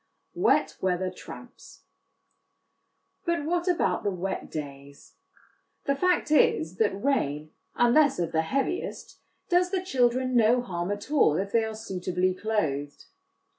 Wet Weather Tramps. But what about the wet days ? The fact is, that rain, unless of the heaviest, does the children no harm at all if they are suitably clothed.